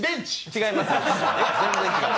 違います。